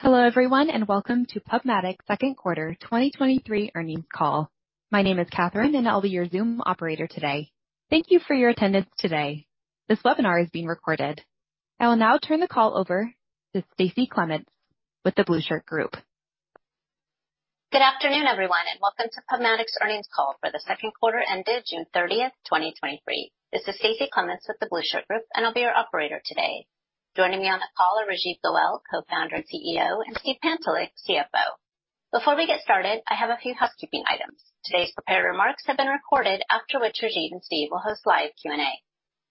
Hello, everyone, welcome to PubMatic's second quarter 2023 earnings call. My name is Catherine, I'll be your Zoom operator today. Thank you for your attendance today. This webinar is being recorded. I will now turn the call over to Stacy Clements with The Blueshirt Group. Good afternoon, everyone, and welcome to PubMatic's earnings call for the second quarter ended June 30, 2023. This is Stacie Clements with the Blueshirt Group, and I'll be your operator today. Joining me on the call are Rajeev Goel, Co-Founder and CEO, and Steve Pantelick, CFO. Before we get started, I have a few housekeeping items. Today's prepared remarks have been recorded, after which Rajeev and Steve will host live Q&A.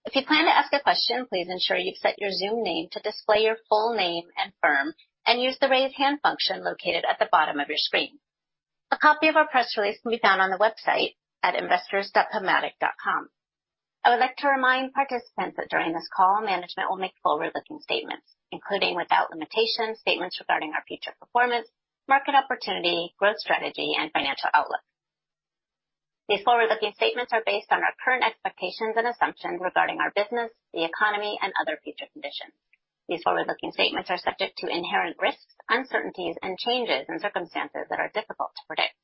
If you plan to ask a question, please ensure you've set your Zoom name to display your full name and firm, and use the Raise Hand function located at the bottom of your screen. A copy of our press release can be found on the website at investors.pubmatic.com. I would like to remind participants that during this call, management will make forward-looking statements, including, without limitation, statements regarding our future performance, market opportunity, growth strategy, and financial outlook. These forward-looking statements are based on our current expectations and assumptions regarding our business, the economy, and other future conditions. These forward-looking statements are subject to inherent risks, uncertainties, and changes in circumstances that are difficult to predict.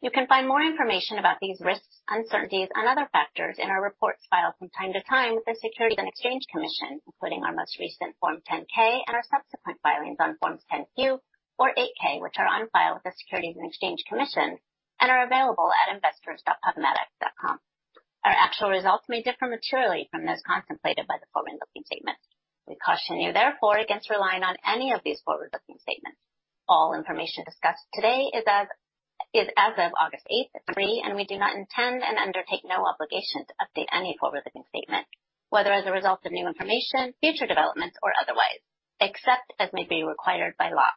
You can find more information about these risks, uncertainties and other factors in our reports filed from time to time with the Securities and Exchange Commission, including our most recent Form 10-K and our subsequent filings on Forms 10-Q or 8-K, which are on file with the Securities and Exchange Commission and are available at investors.pubmatic.com. Our actual results may differ materially from those contemplated by the forward-looking statements. We caution you, therefore, against relying on any of these forward-looking statements. All information discussed today is as of August 8, 2023. We do not intend and undertake no obligation to update any forward-looking statement, whether as a result of new information, future developments, or otherwise, except as may be required by law.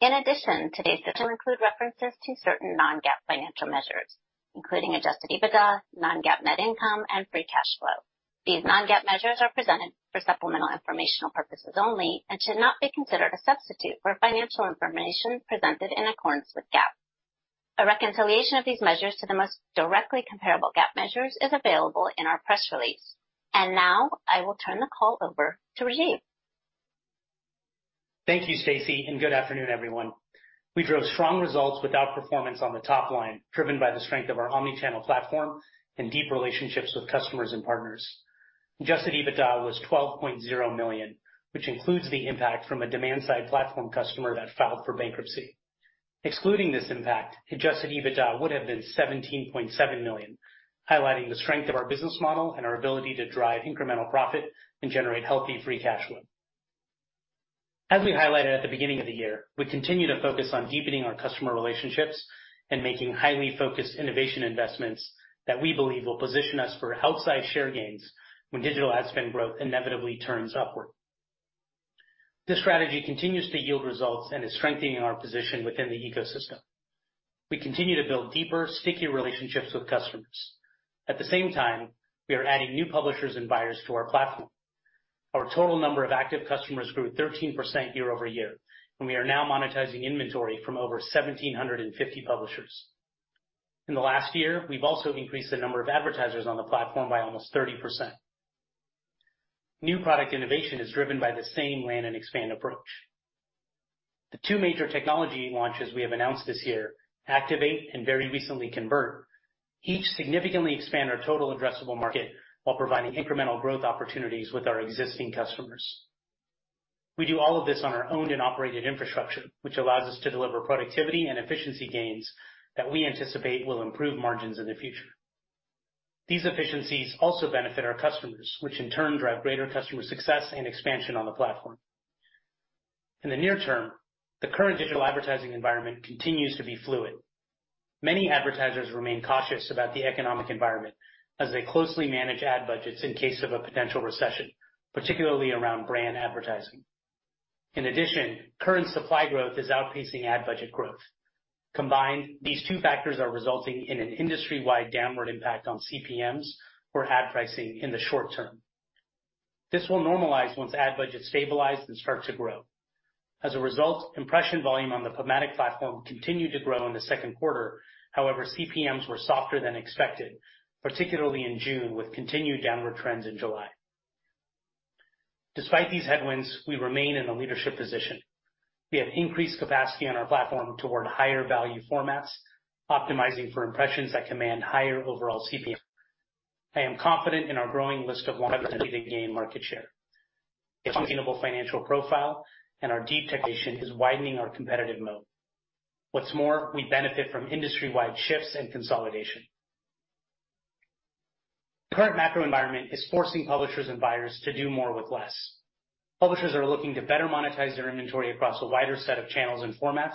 In addition, today's will include references to certain non-GAAP financial measures, including Adjusted EBITDA, non-GAAP net income, and free cash flow. These non-GAAP measures are presented for supplemental informational purposes only and should not be considered a substitute for financial information presented in accordance with GAAP. A reconciliation of these measures to the most directly comparable GAAP measures is available in our press release. Now I will turn the call over to Rajiv. Thank you, Stacie, good afternoon, everyone. We drove strong results with outperformance on the top line, driven by the strength of our omni-channel platform and deep relationships with customers and partners. Adjusted EBITDA was $12.0 million, which includes the impact from a demand-side platform customer that filed for bankruptcy. Excluding this impact, Adjusted EBITDA would have been $17.7 million, highlighting the strength of our business model and our ability to drive incremental profit and generate healthy free cash flow. As we highlighted at the beginning of the year, we continue to focus on deepening our customer relationships and making highly focused innovation investments that we believe will position us for outsized share gains when digital ad spend growth inevitably turns upward. This strategy continues to yield results and is strengthening our position within the ecosystem. We continue to build deeper, stickier relationships with customers. At the same time, we are adding new publishers and buyers to our platform. Our total number of active customers grew 13% year-over-year, and we are now monetizing inventory from over 1,750 publishers. In the last year, we've also increased the number of advertisers on the platform by almost 30%. New product innovation is driven by the same land and expand approach. The two major technology launches we have announced this year, Activate and very recently Convert, each significantly expand our total addressable market while providing incremental growth opportunities with our existing customers. We do all of this on our owned and operated infrastructure, which allows us to deliver productivity and efficiency gains that we anticipate will improve margins in the future. These efficiencies also benefit our customers, which in turn drive greater customer success and expansion on the platform. In the near term, the current digital advertising environment continues to be fluid. Many advertisers remain cautious about the economic environment as they closely manage ad budgets in case of a potential recession, particularly around brand advertising. In addition, current supply growth is outpacing ad budget growth. Combined, these two factors are resulting in an industry-wide downward impact on CPMs or ad pricing in the short term. This will normalize once ad budgets stabilize and start to grow. As a result, impression volume on the PubMatic platform continued to grow in the second quarter. However, CPMs were softer than expected, particularly in June, with continued downward trends in July. Despite these headwinds, we remain in a leadership position. We have increased capacity on our platform toward higher value formats, optimizing for impressions that command higher overall CPM. I am confident in our growing list of wanting to gain market share, sustainable financial profile, and our deep technology is widening our competitive moat. What's more, we benefit from industry-wide shifts and consolidation. The current macro environment is forcing publishers and buyers to do more with less. Publishers are looking to better monetize their inventory across a wider set of channels and formats,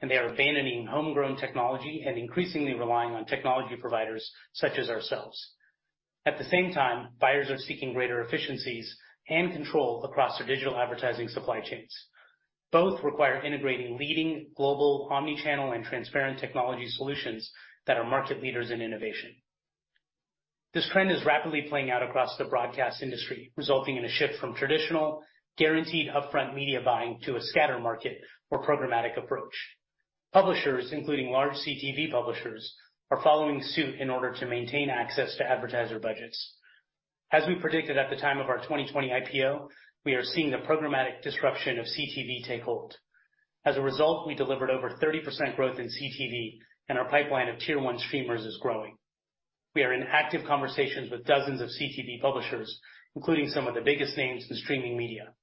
and they are abandoning homegrown technology and increasingly relying on technology providers such as ourselves. At the same time, buyers are seeking greater efficiencies and control across their digital advertising supply chains. Both require integrating leading global, omni-channel, and transparent technology solutions that are market leaders in innovation. This trend is rapidly playing out across the broadcast industry, resulting in a shift from traditional, guaranteed upfront media buying to a scatter market or programmatic approach. Publishers, including large CTV publishers, are following suit in order to maintain access to advertiser budgets. As we predicted at the time of our 2020 IPO, we are seeing the programmatic disruption of CTV take hold. As a result, we delivered over 30% growth in CTV, and our pipeline of tier 1 streamers is growing. We are in active conversations with dozens of CTV publishers, including some of the biggest names in streaming media.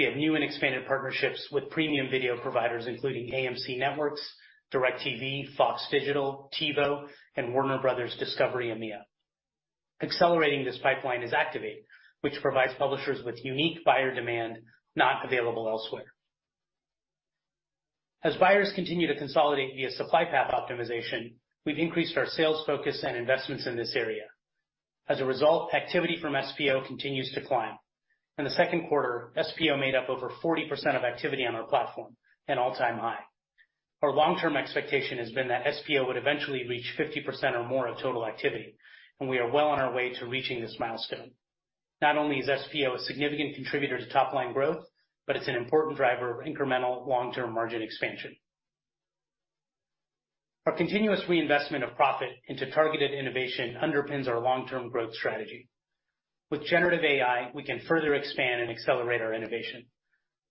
We have new and expanded partnerships with premium video providers, including AMC Networks, DIRECTV, Fox Digital, TiVo, and Warner Bros. Discovery EMEA. Accelerating this pipeline is Activate, which provides publishers with unique buyer demand not available elsewhere. As buyers continue to consolidate via supply path optimization, we've increased our sales focus and investments in this area. As a result, activity from SPO continues to climb. In the 2Q, SPO made up over 40% of activity on our platform, an all-time high. Our long-term expectation has been that SPO would eventually reach 50% or more of total activity, we are well on our way to reaching this milestone. Not only is SPO a significant contributor to top-line growth, it's an important driver of incremental long-term margin expansion. Our continuous reinvestment of profit into targeted innovation underpins our long-term growth strategy. With generative AI, we can further expand and accelerate our innovation.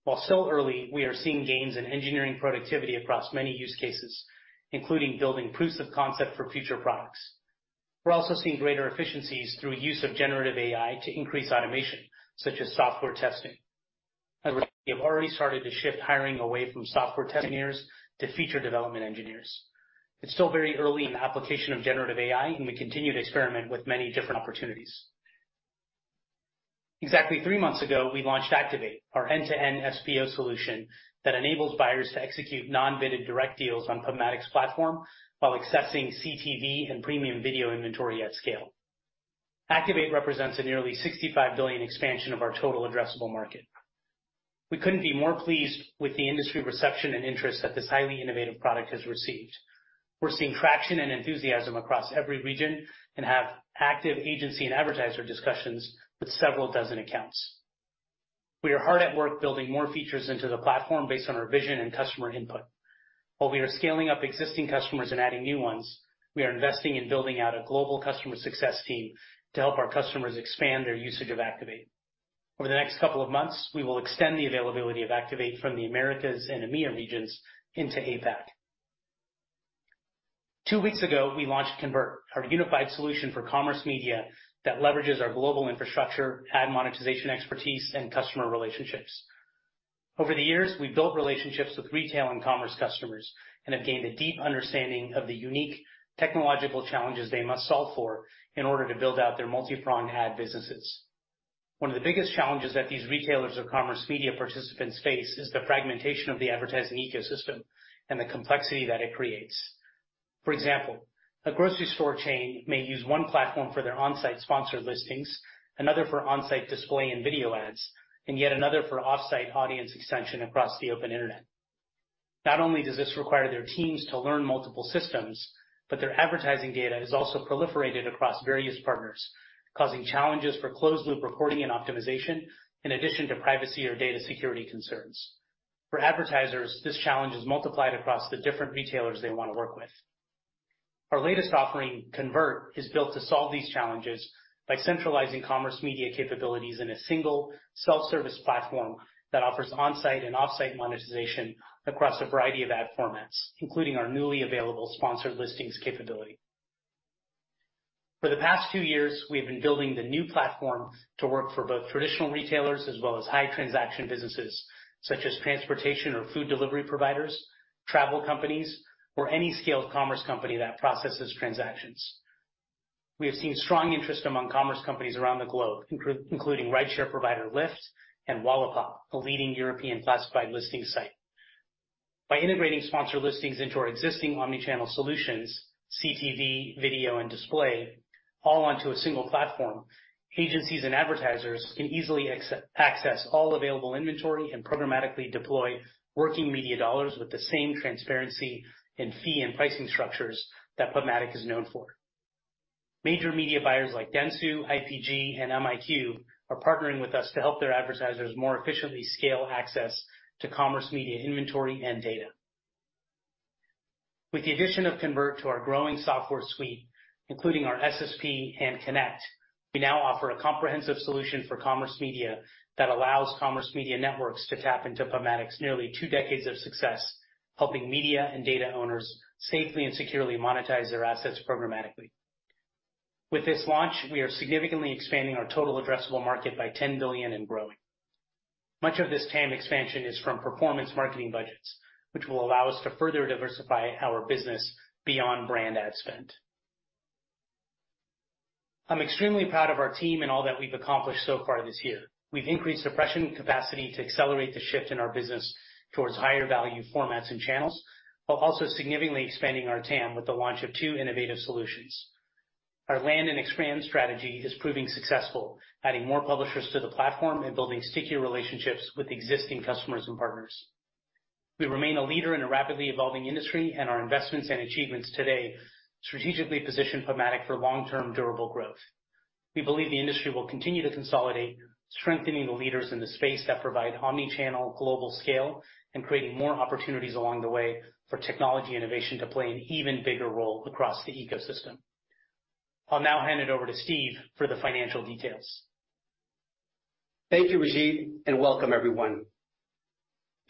While still early, we are seeing gains in engineering productivity across many use cases, including building proofs of concept for future products. We're also seeing greater efficiencies through use of generative AI to increase automation, such as software testing. As we have already started to shift hiring away from software testing years to feature development engineers. It's still very early in the application of generative AI, and we continue to experiment with many different opportunities. Exactly three months ago, we launched Activate, our end-to-end SPO solution that enables buyers to execute non-vetted direct deals on PubMatic's platform while accessing CTV and premium video inventory at scale. Activate represents a nearly $65 billion expansion of our total addressable market. We couldn't be more pleased with the industry reception and interest that this highly innovative product has received. We're seeing traction and enthusiasm across every region and have active agency and advertiser discussions with several dozen accounts. We are hard at work building more features into the platform based on our vision and customer input. While we are scaling up existing customers and adding new ones, we are investing in building out a global customer success team to help our customers expand their usage of Activate. Over the next couple of months, we will extend the availability of Activate from the Americas and EMEA regions into APAC. Two weeks ago, we launched Convert, our unified solution for commerce media that leverages our global infrastructure, ad monetization expertise, and customer relationships. Over the years, we've built relationships with retail and commerce customers and have gained a deep understanding of the unique technological challenges they must solve for in order to build out their multi-pronged ad businesses. One of the biggest challenges that these retailers or commerce media participants face is the fragmentation of the advertising ecosystem and the complexity that it creates. For example, a grocery store chain may use one platform for their on-site sponsored listings, another for on-site display and video ads, and yet another for off-site audience extension across the open internet. Not only does this require their teams to learn multiple systems, but their advertising data is also proliferated across various partners, causing challenges for closed-loop reporting and optimization, in addition to privacy or data security concerns. For advertisers, this challenge is multiplied across the different retailers they want to work with. Our latest offering, Convert, is built to solve these challenges by centralizing commerce media capabilities in a single self-service platform that offers on-site and off-site monetization across a variety of ad formats, including our newly available sponsored listings capability. For the past two years, we have been building the new platform to work for both traditional retailers as well as high transaction businesses, such as transportation or food delivery providers, travel companies, or any scaled commerce company that processes transactions. We have seen strong interest among commerce companies around the globe, including rideshare provider, Lyft, and Wallapop, a leading European classified listing site. By integrating sponsored listings into our existing omni-channel solutions, CTV, video, and display, all onto a single platform, agencies and advertisers can easily access all available inventory and programmatically deploy working media dollars with the same transparency and fee and pricing structures that PubMatic is known for. Major media buyers like dentsu, IPG, and MiQ are partnering with us to help their advertisers more efficiently scale access to commerce media inventory and data. With the addition of Convert to our growing software suite, including our SSP and Connect, we now offer a comprehensive solution for commerce media that allows commerce media networks to tap into PubMatic's nearly two decades of success, helping media and data owners safely and securely monetize their assets programmatically. With this launch, we are significantly expanding our total addressable market by $10 billion and growing. Much of this TAM expansion is from performance marketing budgets, which will allow us to further diversify our business beyond brand ad spend. I'm extremely proud of our team and all that we've accomplished so far this year. We've increased suppression capacity to accelerate the shift in our business towards higher value formats and channels, while also significantly expanding our TAM with the launch of two innovative solutions. Our land and expand strategy is proving successful, adding more publishers to the platform and building stickier relationships with existing customers and partners. We remain a leader in a rapidly evolving industry, and our investments and achievements today strategically position PubMatic for long-term, durable growth. We believe the industry will continue to consolidate, strengthening the leaders in the space that provide omni-channel global scale, and creating more opportunities along the way for technology innovation to play an even bigger role across the ecosystem. I'll now hand it over to Steve for the financial details. Thank you, Rajeev. Welcome everyone.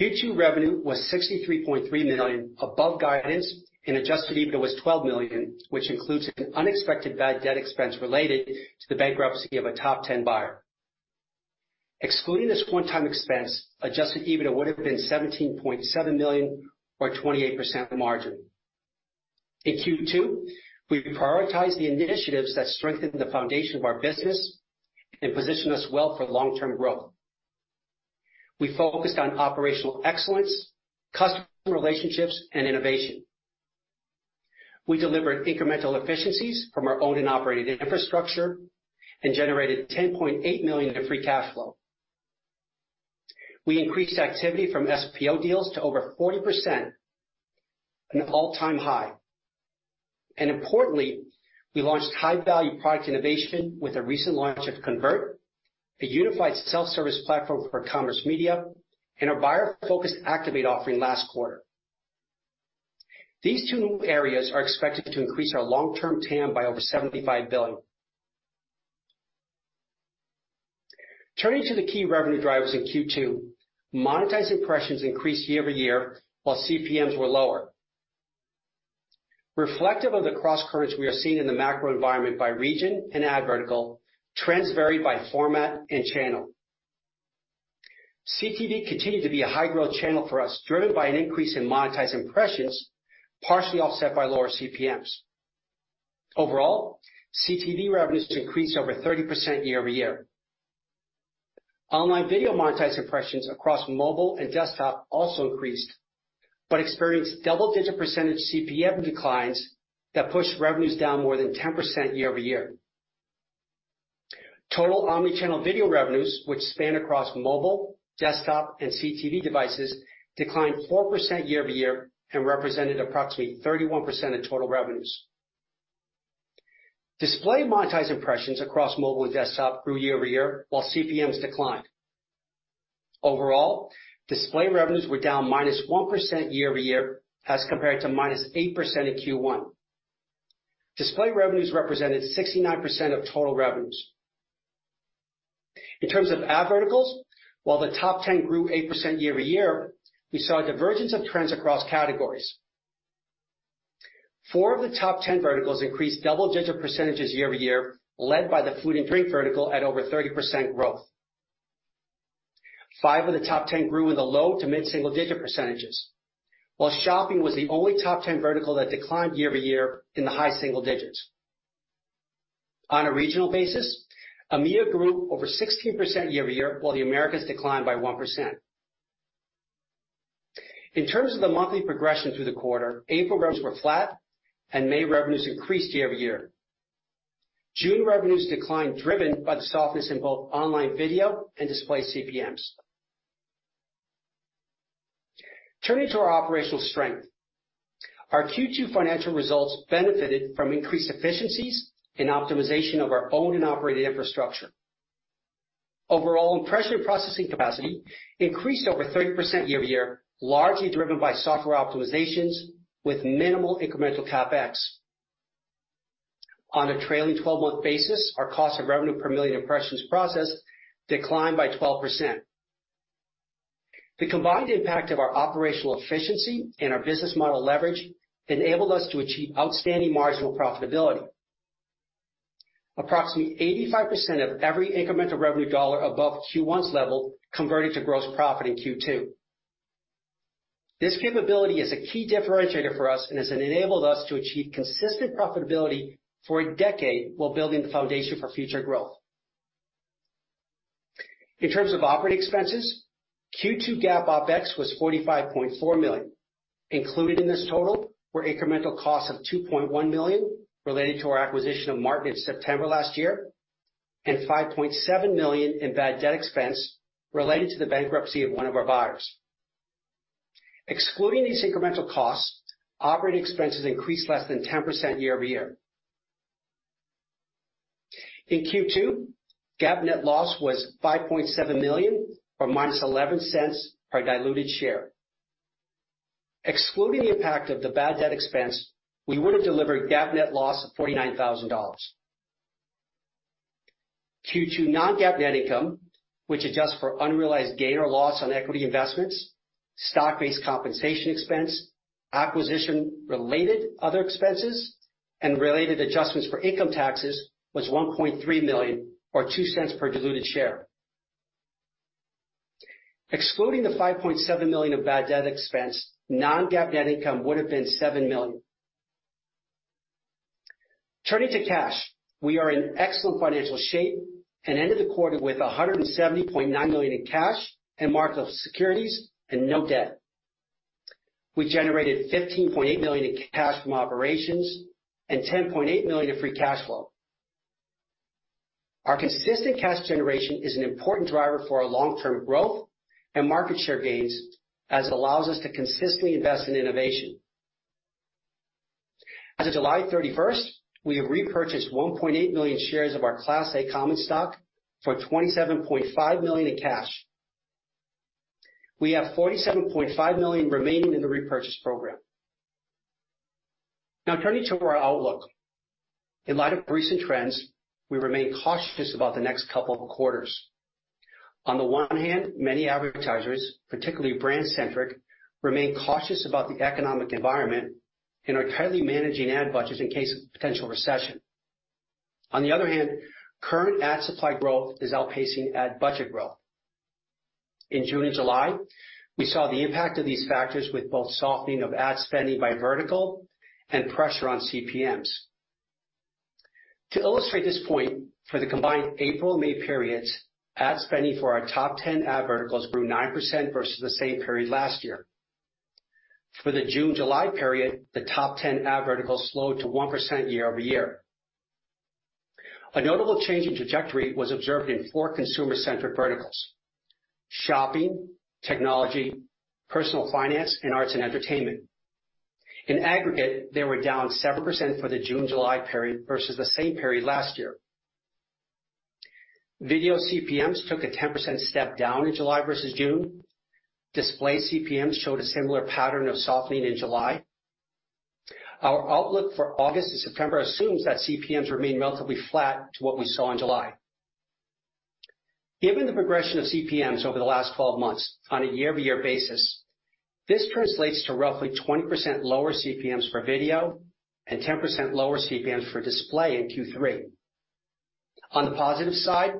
Q2 revenue was $63.3 million, above guidance, and Adjusted EBITDA was $12 million, which includes an unexpected bad debt expense related to the bankruptcy of a top 10 buyer. Excluding this one-time expense, Adjusted EBITDA would have been $17.7 million, or 28% margin. In Q2, we prioritized the initiatives that strengthened the foundation of our business and positioned us well for long-term growth. We focused on operational excellence, customer relationships, and innovation. We delivered incremental efficiencies from our owned and operated infrastructure and generated $10.8 million in free cash flow. We increased activity from SPO deals to over 40%, an all-time high. Importantly, we launched high-value product innovation with the recent launch of Convert, a unified self-service platform for commerce media, and our buyer-focused Activate offering last quarter. These two new areas are expected to increase our long-term TAM by over $75 billion. Turning to the key revenue drivers in Q2, monetized impressions increased year-over-year, while CPMs were lower. Reflective of the cross currents we are seeing in the macro environment by region and ad vertical, trends varied by format and channel. CTV continued to be a high-growth channel for us, driven by an increase in monetized impressions, partially offset by lower CPMs. Overall, CTV revenues increased over 30% year-over-year. Online video monetized impressions across mobile and desktop also increased, but experienced double-digit % CPM declines that pushed revenues down more than 10% year-over-year. Total omni-channel video revenues, which span across mobile, desktop, and CTV devices, declined 4% year-over-year and represented approximately 31% of total revenues. Display monetized impressions across mobile and desktop grew year-over-year, while CPMs declined. Overall, display revenues were down -1% year-over-year, as compared to -8% in Q1. Display revenues represented 69% of total revenues. In terms of ad verticals, while the top 10 grew 8% year-over-year, we saw a divergence of trends across categories. 4 of the top 10 verticals increased double-digit percentages year-over-year, led by the food and drink vertical at over 30% growth. 5 of the top 10 grew in the low to mid-single-digit percentages, while shopping was the only top 10 vertical that declined year-over-year in the high single digits. On a regional basis, EMEA grew over 16% year-over-year, while the Americas declined by 1%. In terms of the monthly progression through the quarter, April revenues were flat, and May revenues increased year-over-year. June revenues declined, driven by the softness in both online video and display CPMs. Turning to our operational strength. Our Q2 financial results benefited from increased efficiencies and optimization of our owned and operated infrastructure. Overall, impression processing capacity increased over 30% year-over-year, largely driven by software optimizations with minimal incremental CapEx. On a trailing 12-month basis, our cost of revenue per million impressions processed declined by 12%. The combined impact of our operational efficiency and our business model leverage enabled us to achieve outstanding marginal profitability. Approximately 85% of every incremental revenue dollar above Q1's level converted to gross profit in Q2. This capability is a key differentiator for us and has enabled us to achieve consistent profitability for a decade while building the foundation for future growth. In terms of operating expenses, Q2 GAAP OpEx was $45.4 million. Included in this total were incremental costs of $2.1 million related to our acquisition of Martin in September last year, and $5.7 million in bad debt expense related to the bankruptcy of one of our buyers. Excluding these incremental costs, operating expenses increased less than 10% year-over-year. In Q2, GAAP net loss was $5.7 million, or -$0.11 per diluted share. Excluding the impact of the bad debt expense, we would have delivered GAAP net loss of $49,000. Q2 non-GAAP net income, which adjusts for unrealized gain or loss on equity investments, stock-based compensation expense, acquisition-related other expenses, and related adjustments for income taxes, was $1.3 million, or $0.02 per diluted share. Excluding the $5.7 million of bad debt expense, non-GAAP net income would have been $7 million. Turning to cash, we are in excellent financial shape and ended the quarter with $170.9 million in cash and mark of securities and no debt. We generated $15.8 million in cash from operations and $10.8 million in free cash flow. Our consistent cash generation is an important driver for our long-term growth and market share gains, as it allows us to consistently invest in innovation. As of July 31st, we have repurchased 1.8 million shares of our Class A common stock for $27.5 million in cash. We have $47.5 million remaining in the repurchase program. Now turning to our outlook. In light of recent trends, we remain cautious about the next couple of quarters. On the one hand, many advertisers, particularly brand centric, remain cautious about the economic environment and are tightly managing ad budgets in case of potential recession. On the other hand, current ad supply growth is outpacing ad budget growth. In June and July, we saw the impact of these factors with both softening of ad spending by vertical and pressure on CPMs. To illustrate this point, for the combined April, May periods, ad spending for our top 10 ad verticals grew 9% versus the same period last year. For the June, July period, the top 10 ad verticals slowed to 1% year-over-year. A notable change in trajectory was observed in four consumer-centric verticals: shopping, technology, personal finance, and arts and entertainment. In aggregate, they were down several % for the June, July period versus the same period last year. Video CPMs took a 10% step down in July versus June. Display CPMs showed a similar pattern of softening in July. Our outlook for August and September assumes that CPMs remain relatively flat to what we saw in July. Given the progression of CPMs over the last 12 months on a year-over-year basis, this translates to roughly 20% lower CPMs for video and 10% lower CPMs for display in Q3. On the positive side,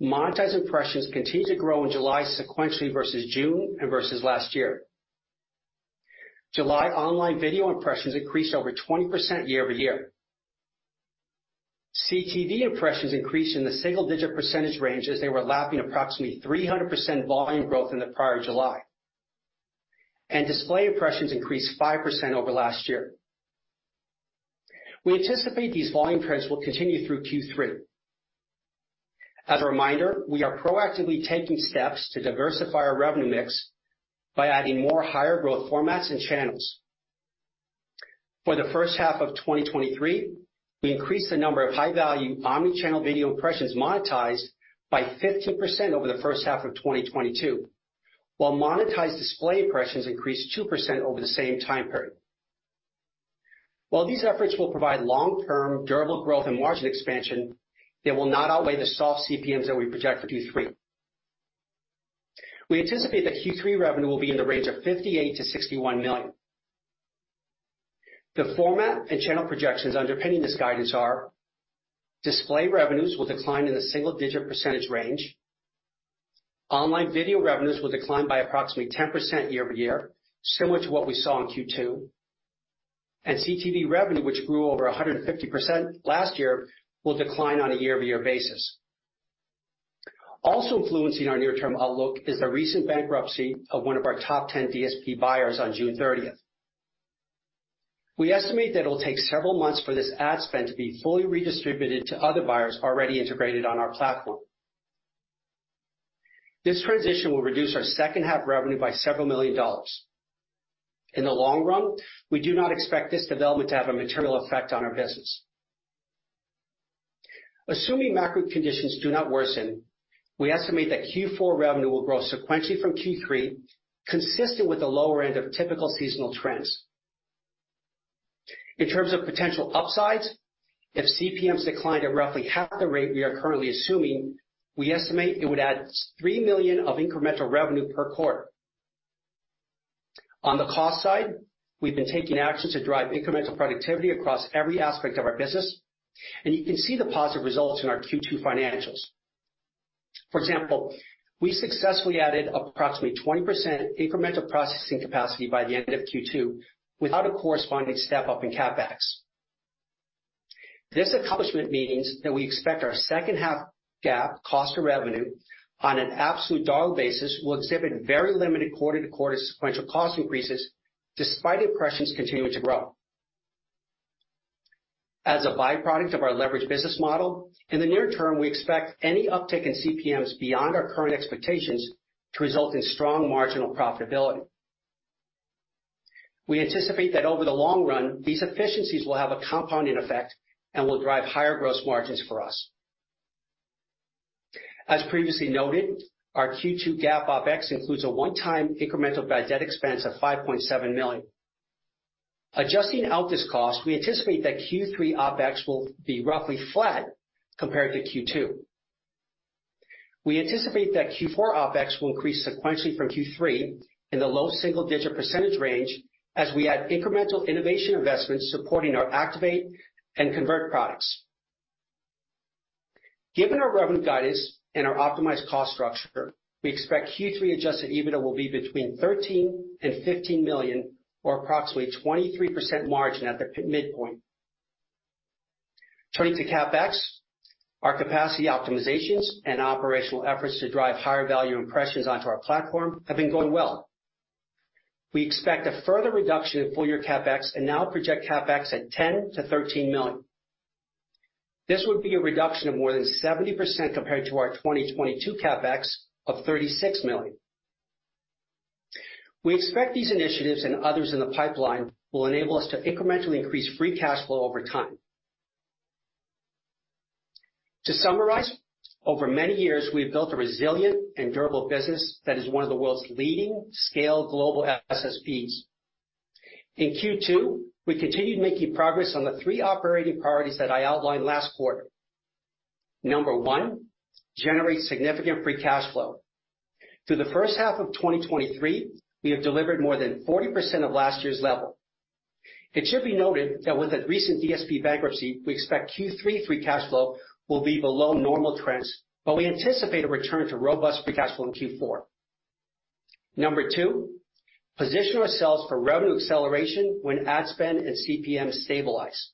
monetized impressions continued to grow in July sequentially versus June and versus last year. July online video impressions increased over 20% year-over-year. CTV impressions increased in the single-digit percentage range as they were lapping approximately 300% volume growth in the prior July, and display impressions increased 5% over last year. We anticipate these volume trends will continue through Q3. As a reminder, we are proactively taking steps to diversify our revenue mix by adding more higher growth formats and channels. For the first half of 2023, we increased the number of high-value omni-channel video impressions monetized by 15% over the first half of 2022, while monetized display impressions increased 2% over the same time period. While these efforts will provide long-term durable growth and margin expansion, they will not outweigh the soft CPMs that we project for Q3. We anticipate that Q3 revenue will be in the range of $58 million-$61 million. The format and channel projections underpinning this guidance are: display revenues will decline in the single-digit % range, online video revenues will decline by approximately 10% year-over-year, similar to what we saw in Q2, and CTV revenue, which grew over 150% last year, will decline on a year-over-year basis. Also influencing our near-term outlook is the recent bankruptcy of one of our top 10 DSP buyers on June 30th. We estimate that it will take several months for this ad spend to be fully redistributed to other buyers already integrated on our platform. This transition will reduce our second half revenue by $ several million. In the long run, we do not expect this development to have a material effect on our business. Assuming macro conditions do not worsen, we estimate that Q4 revenue will grow sequentially from Q3, consistent with the lower end of typical seasonal trends. In terms of potential upsides, if CPMs declined at roughly half the rate we are currently assuming, we estimate it would add $3 million of incremental revenue per quarter. On the cost side, we've been taking actions to drive incremental productivity across every aspect of our business, and you can see the positive results in our Q2 financials. For example, we successfully added approximately 20% incremental processing capacity by the end of Q2 without a corresponding step-up in CapEx. This accomplishment means that we expect our second half GAAP cost of revenue on an absolute dollar basis, will exhibit very limited quarter-to-quarter sequential cost increases, despite impressions continuing to grow. As a byproduct of our leveraged business model, in the near term, we expect any uptick in CPMs beyond our current expectations to result in strong marginal profitability. We anticipate that over the long run, these efficiencies will have a compounding effect and will drive higher gross margins for us. As previously noted, our Q2 GAAP OpEx includes a one-time incremental bad debt expense of $5.7 million. Adjusting out this cost, we anticipate that Q3 OpEx will be roughly flat compared to Q2. We anticipate that Q4 OpEx will increase sequentially from Q3 in the low single-digit % range, as we add incremental innovation investments supporting our Activate and Convert products. Given our revenue guidance and our optimized cost structure, we expect Q3 adjusted EBITDA will be between $13 million and $15 million, or approximately 23% margin at the midpoint. Turning to CapEx, our capacity optimizations and operational efforts to drive higher value impressions onto our platform have been going well. We expect a further reduction in full year CapEx and now project CapEx at $10 million-$13 million. This would be a reduction of more than 70% compared to our 2022 CapEx of $36 million. We expect these initiatives and others in the pipeline will enable us to incrementally increase free cash flow over time. To summarize, over many years, we've built a resilient and durable business that is one of the world's leading scale global SSPs. In Q2, we continued making progress on the three operating priorities that I outlined last quarter. Number one, generate significant free cash flow. Through the first half of 2023, we have delivered more than 40% of last year's level. It should be noted that with the recent DSP bankruptcy, we expect Q3 free cash flow will be below normal trends, but we anticipate a return to robust free cash flow in Q4. Number two, position ourselves for revenue acceleration when ad spend and CPM stabilize.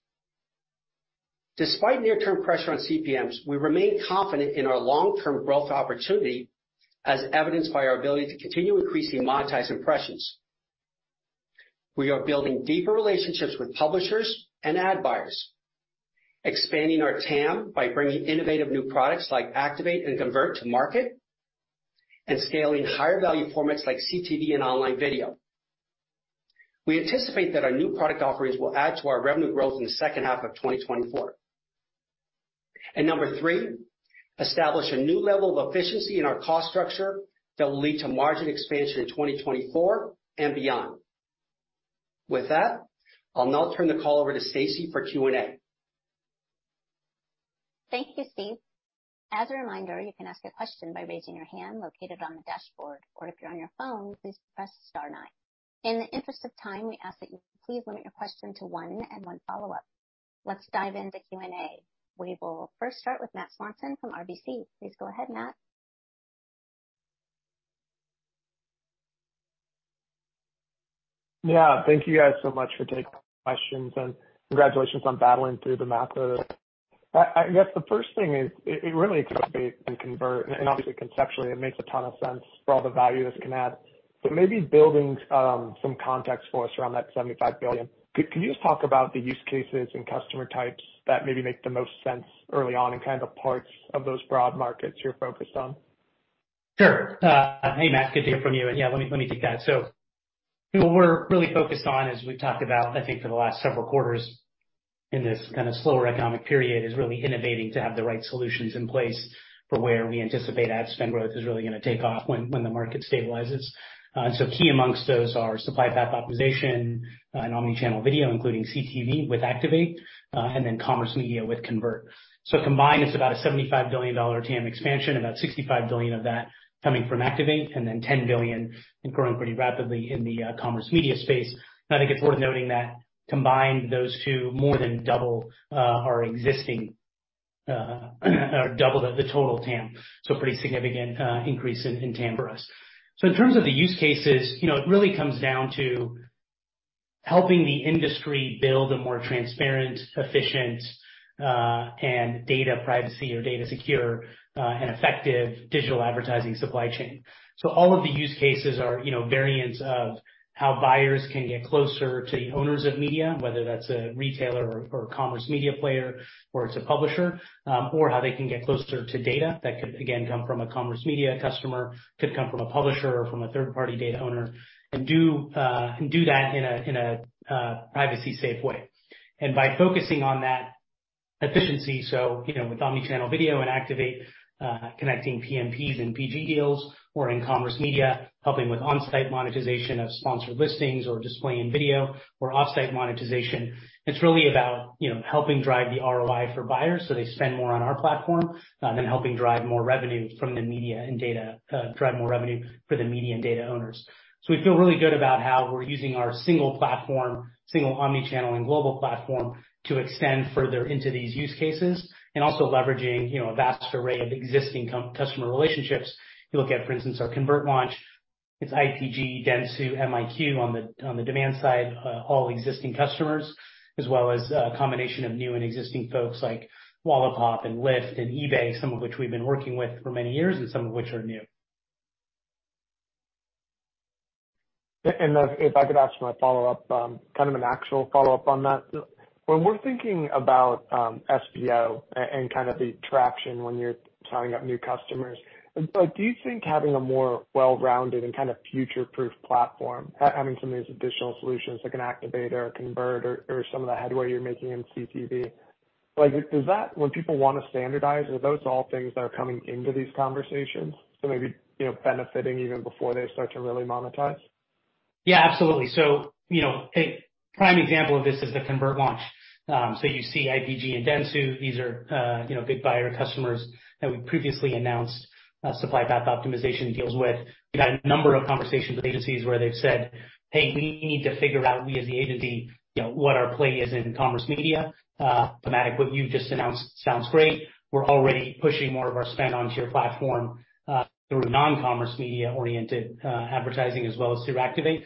Despite near-term pressure on CPMs, we remain confident in our long-term growth opportunity, as evidenced by our ability to continue increasing monetized impressions. We are building deeper relationships with publishers and ad buyers, expanding our TAM by bringing innovative new products like Activate and Convert to market, and scaling higher value formats like CTV and online video. We anticipate that our new product offerings will add to our revenue growth in the second half of 2024. Number 3, establish a new level of efficiency in our cost structure that will lead to margin expansion in 2024 and beyond. With that, I'll now turn the call over to Stacie for Q&A. Thank you, Steve. As a reminder, you can ask a question by raising your hand located on the dashboard, or if you're on your phone, please press star nine. In the interest of time, we ask that you please limit your question to one and one follow-up. Let's dive into Q&A. We will first start with Matt Swanson from RBC. Please go ahead, Matt. Yeah, thank you guys so much for taking questions, and congratulations on battling through the math there. I, I guess the first thing is, it really and Convert, and obviously conceptually, it makes a ton of sense for all the value this can add. Maybe building some context for us around that $75 billion. Could, could you just talk about the use cases and customer types that maybe make the most sense early on, and kind of parts of those broad markets you're focused on? Sure. Hey, Matt, good to hear from you. Yeah, let me, let me take that. You know, what we're really focused on, as we've talked about, I think, for the last several quarters in this kind of slower economic period, is really innovating to have the right solutions in place for where we anticipate ad spend growth is really going to take off when, when the market stabilizes. Key amongst those are supply path optimization and omni-channel video, including CTV with Activate, and then commerce media with Convert. Combined, it's about a $75 billion TAM expansion, about $65 billion of that coming from Activate, and then $10 billion and growing pretty rapidly in the commerce media space. I think it's worth noting that, combined, those two more than double, our existing, or double the, the total TAM. Pretty significant increase in, in TAM for us. In terms of the use cases, you know, it really comes down to helping the industry build a more transparent, efficient, and data privacy or data secure, and effective digital advertising supply chain. All of the use cases are, you know, variants of how buyers can get closer to the owners of media, whether that's a retailer or, or commerce media player, or it's a publisher, or how they can get closer to data that could, again, come from a commerce media customer, could come from a publisher or from a third-party data owner, and do, and do that in a, in a, privacy-safe way. By focusing on that efficiency, so, you know, with omni-channel video and Activate, connecting PMPs and PG deals, or in commerce media, helping with on-site monetization of sponsored listings or display and video or offsite monetization, it's really about, you know, helping drive the ROI for buyers so they spend more on our platform, then helping drive more revenue from the media and data, drive more revenue for the media and data owners. We feel really good about how we're using our single platform, single omni-channel and global platform, to extend further into these use cases and also leveraging, you know, a vast array of existing customer relationships. You look at, for instance, our Convert launch, it's IPG, dentsu, MiQ on the, on the demand side, all existing customers, as well as a combination of new and existing folks like Wallapop and Lyft and eBay, some of which we've been working with for many years and some of which are new. If I could ask my follow-up, kind of an actual follow-up on that. When we're thinking about SPO and kind of the traction when you're signing up new customers, like, do you think having a more well-rounded and kind of future-proof platform, having some of these additional solutions like an Activate or a Convert or some of the headway you're making in CTV, when people want to standardize, are those all things that are coming into these conversations? Maybe, you know, benefiting even before they start to really monetize. Yeah, absolutely. You know, a prime example of this is the Convert launch. You see IPG and dentsu. These are, you know, big buyer customers that we previously announced, supply path optimization deals with. We've had a number of conversations with agencies where they've said, "Hey, we need to figure out, we as the agency, you know, what our play is in commerce media. Thematic, what you've just announced sounds great. We're already pushing more of our spend onto your platform, through non-commerce media-oriented, advertising, as well as through Activate.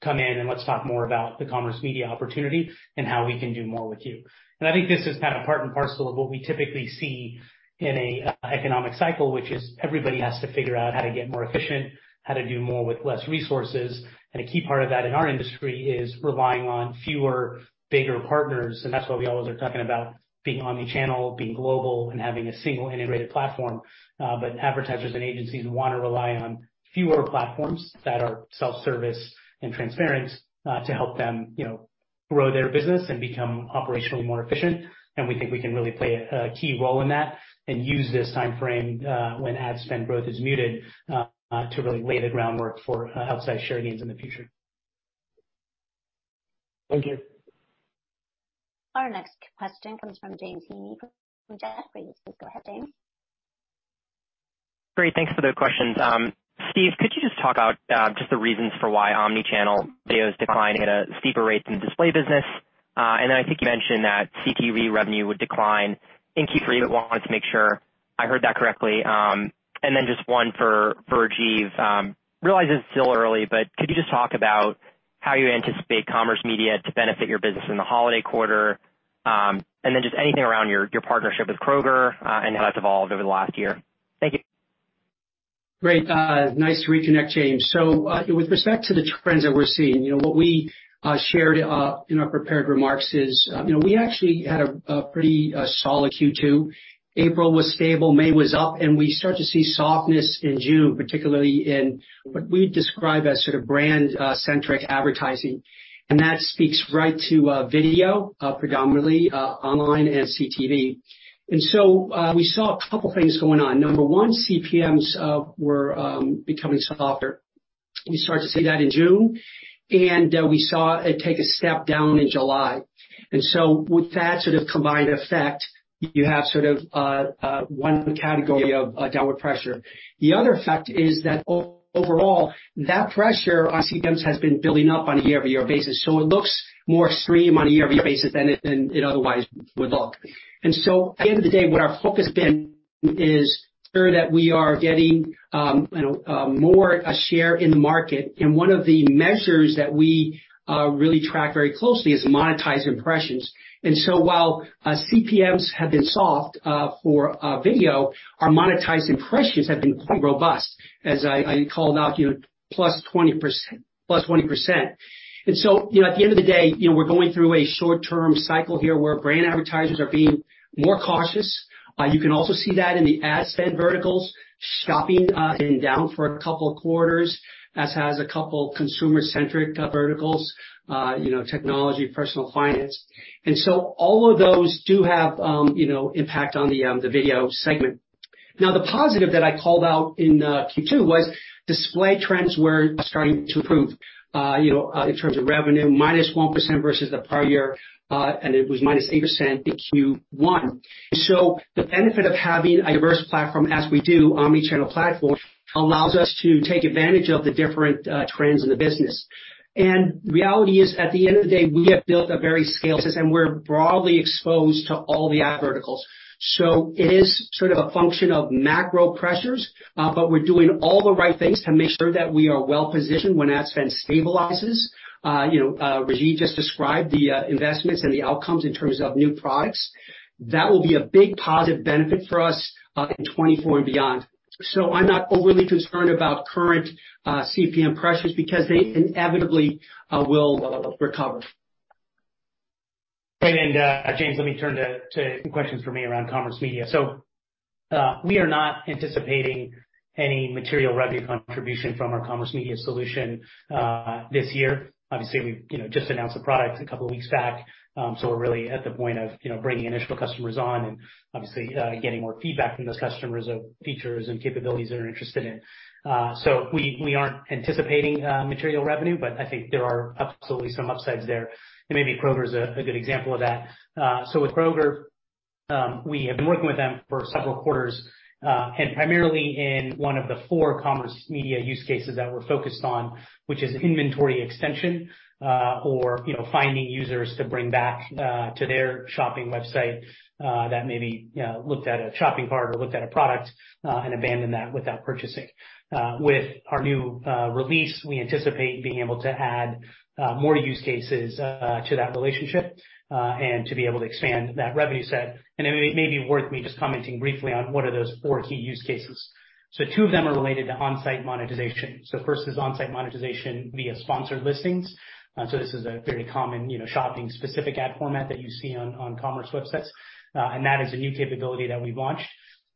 Come in and let's talk more about the commerce media opportunity and how we can do more with you." I think this is kind of part and parcel of what we typically see in an economic cycle, which is everybody has to figure out how to get more efficient, how to do more with less resources, and a key part of that in our industry is relying on fewer, bigger partners. That's why we always are talking about being omni-channel, being global, and having a single integrated platform. Advertisers and agencies want to rely on fewer platforms that are self-service and transparent to help them, you know. Grow their business and become operationally more efficient, and we think we can really play a, a key role in that and use this time frame, when ad spend growth is muted, to really lay the groundwork for outsized share gains in the future. Thank you. Our next question comes from James Heaney, from Jefferies. Please go ahead, James. Great, thanks for the questions. Steve, could you just talk about just the reasons for why omni-channel video is declining at a steeper rate than the display business? I think you mentioned that CTV revenue would decline in Q3, but wanted to make sure I heard that correctly? Just one for, for Rajiv. Realize it's still early, but could you just talk about how you anticipate commerce media to benefit your business in the holiday quarter? Just anything around your, your partnership with Kroger, and how that's evolved over the last year? Thank you. Great. Nice to reconnect, James. With respect to the trends that we're seeing, you know, what we shared in our prepared remarks is, you know, we actually had a pretty solid Q2. April was stable, May was up. We start to see softness in June, particularly in what we describe as sort of brand centric advertising. That speaks right to video, predominantly online and CTV. We saw a couple things going on. Number one, CPMs were becoming softer. We started to see that in June. We saw it take a step down in July. With that sort of combined effect, you have sort of one category of downward pressure. The other effect is that overall, that pressure on CPMs has been building up on a year-over-year basis, so it looks more extreme on a year-over-year basis than it, than it otherwise would look. At the end of the day, what our focus been is sure that we are getting, you know, more a share in the market, and one of the measures that we really track very closely is monetized impressions. While CPMs have been soft for video, our monetized impressions have been quite robust, as I, I called out, you know, +20%, +20%. You know, at the end of the day, you know, we're going through a short-term cycle here, where brand advertisers are being more cautious. You can also see that in the ad spend verticals, shopping, and down for a couple quarters, as has a couple consumer-centric verticals, you know, technology, personal finance. So all of those do have, you know, impact on the video segment. Now, the positive that I called out in Q2 was display trends were starting to improve, you know, in terms of revenue, -1% versus the prior year, and it was -8% in Q1. The benefit of having a diverse platform, as we do, omni-channel platform, allows us to take advantage of the different trends in the business. Reality is, at the end of the day, we have built a very scaled system, we're broadly exposed to all the ad verticals. It is sort of a function of macro pressures, but we're doing all the right things to make sure that we are well positioned when ad spend stabilizes. You know, Rajeev just described the investments and the outcomes in terms of new products. That will be a big positive benefit for us in 2024 and beyond. I'm not overly concerned about current CPM pressures, because they inevitably will recover. Great. James, let me turn to, to questions for me around commerce media. We are not anticipating any material revenue contribution from our commerce media solution this year. Obviously, we've, you know, just announced the product a couple weeks back. We're really at the point of, you know, bringing initial customers on and obviously, getting more feedback from those customers on features and capabilities they're interested in. We, we aren't anticipating material revenue, but I think there are absolutely some upsides there, and maybe Kroger's a good example of that. With Kroger, we have been working with them for several quarters, and primarily in one of the four commerce media use cases that we're focused on, which is inventory extension, or, you know, finding users to bring back to their shopping website, that maybe, you know, looked at a shopping cart or looked at a product, and abandoned that without purchasing. With our new release, we anticipate being able to add more use cases to that relationship, and to be able to expand that revenue set. It may be worth me just commenting briefly on what are those four key use cases. Two of them are related to on-site monetization. First is on-site monetization via sponsored listings. This is a very common, you know, shopping specific ad format that you see on, on commerce websites, and that is a new capability that we've launched.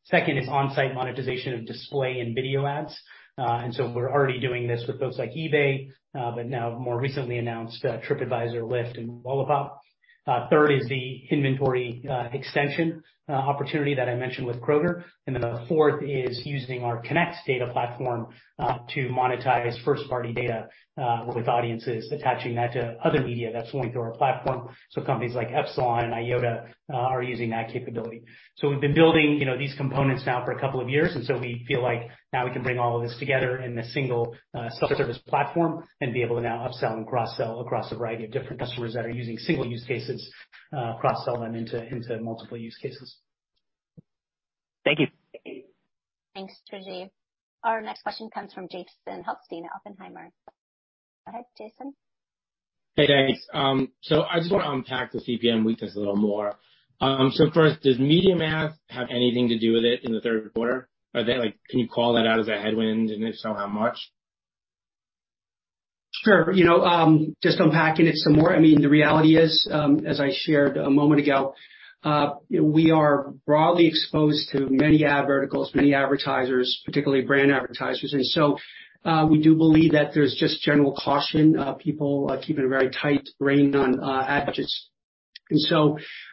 Second is on-site monetization of display and video ads, and we're already doing this with folks like eBay, but now more recently announced TripAdvisor, Lyft, and Lollapalooza. Third is the inventory extension opportunity that I mentioned with Kroger. Then the fourth is using our Connect data platform, to monetize first-party data with audiences, attaching that to other media that's going through our platform. Companies like Epsilon and Iota are using that capability. We've been building, you know, these components now for 2 years, and so we feel like now we can bring all of this together in a single, self-service platform and be able to now upsell and cross-sell across a variety of different customers that are using single use cases, cross-sell them into, into multiple use cases. Thank you. Thanks, Rajiv. Our next question comes from Jason Helfstein, Oppenheimer. Go ahead, Jason. Hey, guys. I just want to unpack the CPM weakness a little more. First, does MediaMath have anything to do with it in the third quarter? Are they, like, can you call that out as a headwind, and if so, how much? Sure. You know, just unpacking it some more, I mean, the reality is, as I shared a moment ago, we are broadly exposed to many ad verticals, many advertisers, particularly brand advertisers. We do believe that there's just general caution, people, keeping a very tight rein on ad budgets.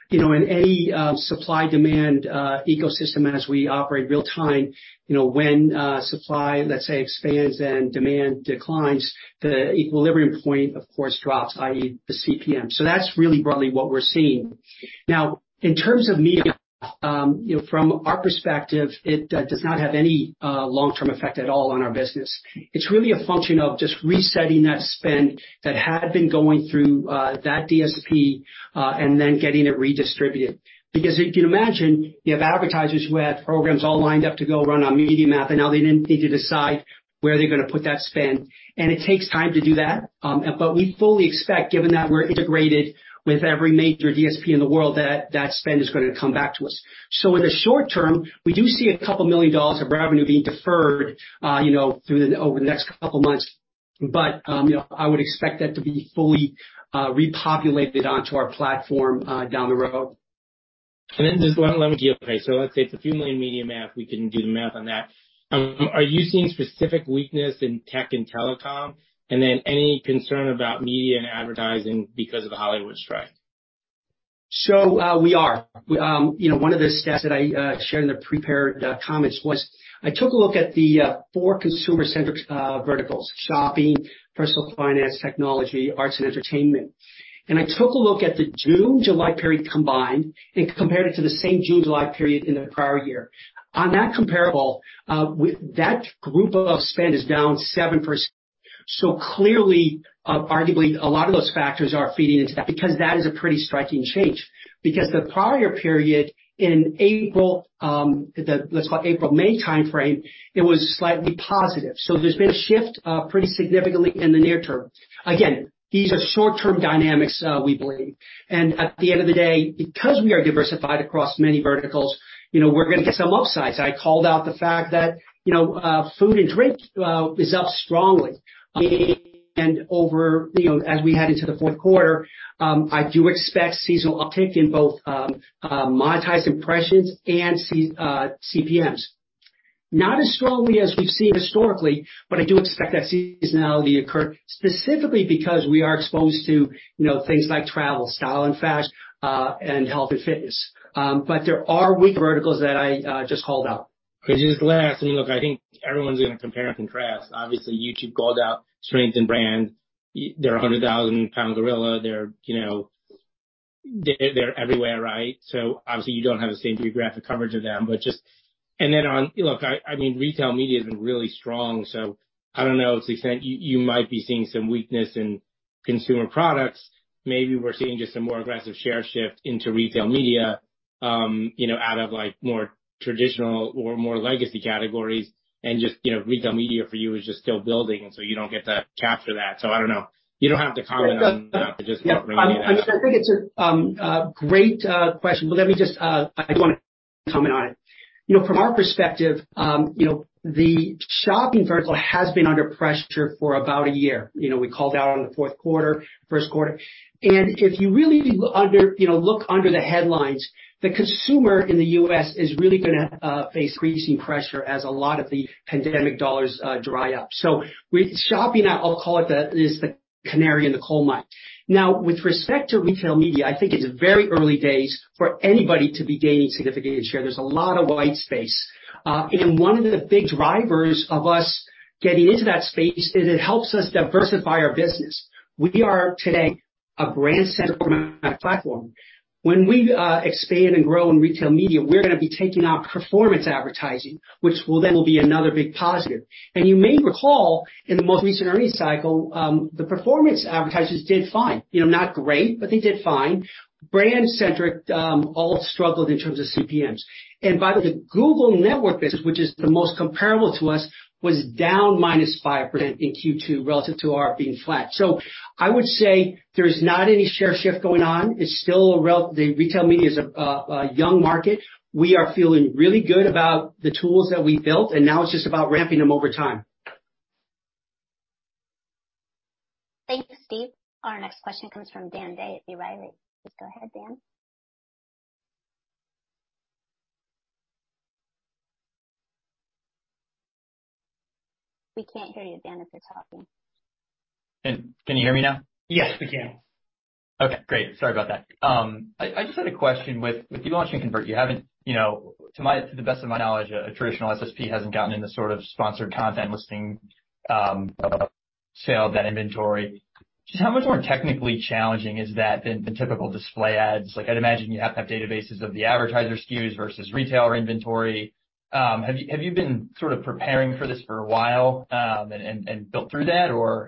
You know, in any, supply-demand, ecosystem as we operate real time, you know, when, supply, let's say, expands and demand declines, the equilibrium point, of course, drops, i.e., the CPM. That's really broadly what we're seeing. Now, in terms of MediaMath, you know, from our perspective, it does not have any long-term effect at all on our business. It's really a function of just resetting that spend that had been going through that DSP, and then getting it redistributed. Because if you imagine you have advertisers who had programs all lined up to go run on MediaMath, and now they need to decide where they're going to put that spend, and it takes time to do that. We fully expect, given that we're integrated with every major DSP in the world, that that spend is going to come back to us. In the short term, we do see $2 million of revenue being deferred, you know, over the next 2 months, but, you know, I would expect that to be fully repopulated onto our platform down the road. Then just one last one. Let's say it's a few million MediaMath, we can do the math on that. Are you seeing specific weakness in tech and telecom, and then any concern about media and advertising because of the Hollywood strike? We are. You know, one of the stats that I shared in the prepared comments was I took a look at the 4 consumer-centric verticals: shopping, personal finance, technology, arts and entertainment. I took a look at the June-July period combined and compared it to the same June-July period in the prior year. On that comparable, with that group of spend is down 7%. Clearly, arguably, a lot of those factors are feeding into that because that is a pretty striking change, because the prior period in April, let's call it April-May timeframe, it was slightly positive. There's been a shift pretty significantly in the near term. Again, these are short-term dynamics, we believe, and at the end of the day, because we are diversified across many verticals, you know, we're going to get some upsides. I called out the fact that, you know, food and drink is up strongly. You know, as we head into the fourth quarter, I do expect seasonal uptick in both monetized impressions and CPMs. Not as strongly as we've seen historically, but I do expect that seasonality occur specifically because we are exposed to, you know, things like travel, style and fashion, and health and fitness. There are weak verticals that I just called out. Could you just let us. Look, I think everyone's going to compare and contrast. Obviously, YouTube called out strength in brand. They're a 100,000-pound gorilla. They're, you know, they're, they're everywhere, right? Obviously, you don't have the same geographic coverage of them, but just. Look, I mean, retail media has been really strong, so I don't know to what extent you, you might be seeing some weakness in consumer products. Maybe we're seeing just a more aggressive share shift into retail media, you know, out of, like, more traditional or more legacy categories. Just, you know, retail media for you is just still building, and so you don't get to capture that. I don't know. You don't have to comment on that, but just wondering. I think it's a great question, but let me just. I want to comment on it. You know, from our perspective, you know, the shopping vertical has been under pressure for about a year. You know, we called out on the fourth quarter, first quarter, and if you really look under, you know, look under the headlines, the consumer in the U.S. is really going to face increasing pressure as a lot of the pandemic dollars dry up. With shopping out, I'll call it the, is the canary in the coal mine. With respect to retail media, I think it's very early days for anybody to be gaining significant share. There's a lot of white space, and one of the big drivers of us getting into that space is it helps us diversify our business. We are today a brand-centric platform. When we expand and grow in retail media, we're going to be taking out performance advertising, which will then will be another big positive. You may recall, in the most recent earnings cycle, the performance advertisers did fine, you know, not great, but they did fine. Brand-centric, all struggled in terms of CPMs, by the way, Google Network business, which is the most comparable to us, was down -5% in Q2 relative to our being flat. I would say there's not any share shift going on. It's still a The retail media is a young market. We are feeling really good about the tools that we built, and now it's just about ramping them over time. Thanks, Steve. Our next question comes from Dan Day at New Street Research. Please go ahead, Dan. We can't hear you, Dan, if you're talking. Can you hear me now? Yes, we can. Okay, great. Sorry about that. I, I just had a question with, with you launching Convert, you haven't, you know, to my... To the best of my knowledge, a traditional SSP hasn't gotten into sort of sponsored content listing, sale of that inventory. Just how much more technically challenging is that than the typical display ads? Like, I'd imagine you have to have databases of the advertiser SKUs versus retailer inventory. Have you, have you been sort of preparing for this for a while, and, and, and built through that? Or,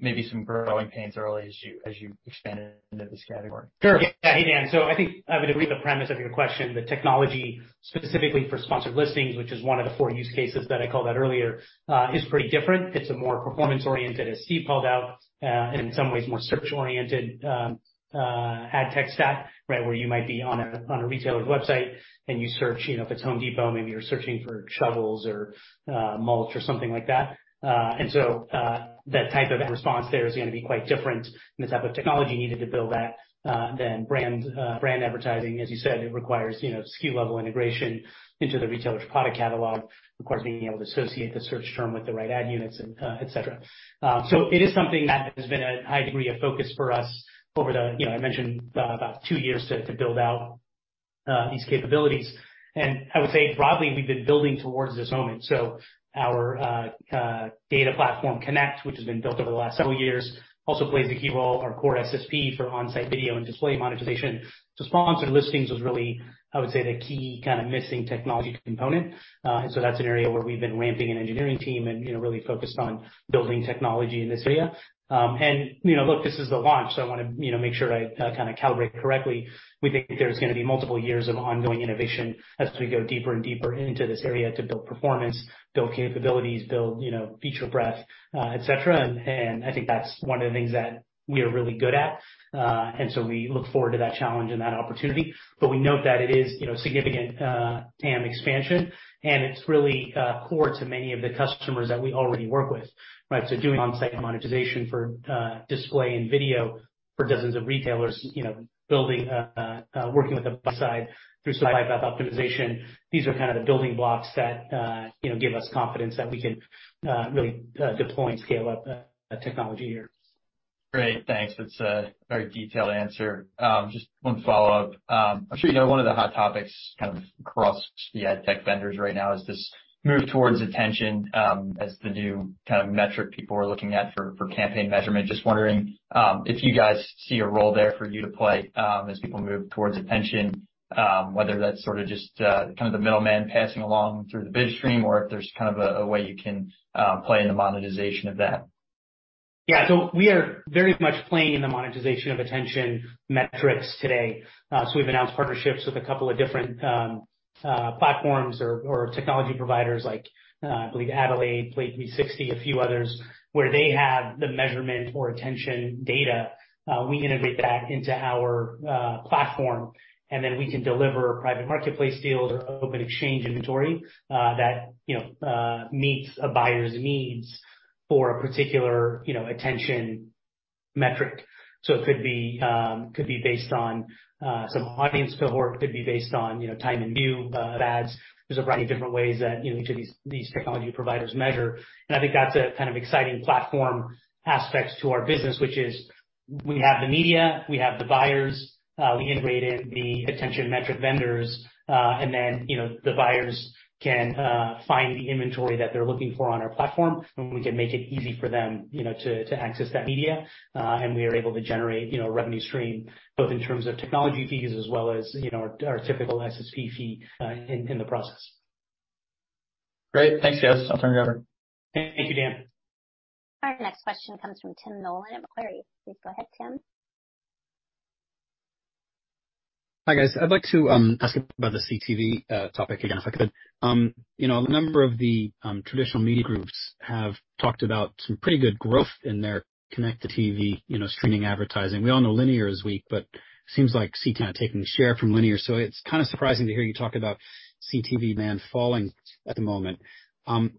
maybe some growing pains early as you, as you expanded into this category? Sure. Hey, Dan. I think I would agree with the premise of your question. The technology, specifically for sponsored listings, which is one of the four use cases that I called out earlier, is pretty different. It's a more performance-oriented, as Steve called out, and in some ways more search-oriented, ad tech stack, right? Where you might be on a, on a retailer's website, and you search, you know, if it's Home Depot, maybe you're searching for shovels or, mulch or something like that. That type of response there is going to be quite different than the type of technology needed to build that, than brand, brand advertising. As you said, it requires, you know, SKU level integration into the retailer's product catalog, requires being able to associate the search term with the right ad units, et cetera. It is something that has been a high degree of focus for us over the, you know, I mentioned, about 2 years to build out these capabilities. I would say broadly, we've been building towards this moment. Our data platform, Connect, which has been built over the last several years, also plays a key role. Our core SSP for on-site video and display monetization to sponsored listings was really, I would say, the key kind of missing technology component. That's an area where we've been ramping an engineering team and, you know, really focused on building technology in this area. You know, look, this is the launch, I want to, you know, make sure to kind of calibrate correctly. We think there's going to be multiple years of ongoing innovation as we go deeper and deeper into this area to build performance, build capabilities, build, you know, feature breadth, et cetera. I think that's one of the things that we are really good at. So we look forward to that challenge and that opportunity. We note that it is, you know, significant TAM expansion, and it's really core to many of the customers that we already work with, right? Doing on-site monetization for display and video for dozens of retailers, you know, building, working with the buy side through supply path optimization. These are kind of the building blocks that, you know, give us confidence that we can really deploy and scale up a technology here. Great. Thanks. That's a very detailed answer. Just one follow-up. I'm sure you know, one of the hot topics, kind of, across the ad tech vendors right now is this move towards attention, as the new kind of metric people are looking at for, for campaign measurement. Just wondering, if you guys see a role there for you to play, as people move towards attention, whether that's sort of just, kind of the middleman passing along through the bid stream, or if there's kind of a, a way you can, play in the monetization of that? Yeah. We are very much playing in the monetization of attention metrics today. We've announced partnerships with a couple of different platforms or, or technology providers like, I believe Adelaide, Plate360, a few others, where they have the measurement or attention data. We integrate that into our platform, and then we can deliver private marketplace deals or open exchange inventory, that, you know, meets a buyer's needs for a particular, you know, attention metric. It could be, could be based on, some audience cohort, could be based on, you know, time and view, ads. There's a variety of different ways that, you know, each of these, these technology providers measure, and I think that's a kind of exciting platform aspects to our business, which is we have the media, we have the buyers, we integrated the attention metric vendors, and then, you know, the buyers can find the inventory that they're looking for on our platform, and we can make it easy for them, you know, to access that media. And we are able to generate, you know, revenue stream, both in terms of technology fees as well as, you know, our typical SSP fee in the process. Great. Thanks, guys. I'll turn it over. Thank you, Dan. Our next question comes from Tim Nollen at Macquarie. Please go ahead, Tim. Hi, guys. I'd like to ask about the CTV topic again, if I could. You know, a number of the traditional media groups have talked about some pretty good growth in their connected TV, you know, streaming advertising. We all know linear is weak, but seems like CTV are taking share from linear. So it's kind of surprising to hear you talk about CTV man falling at the moment.